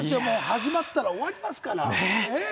始まったら、終わりますから。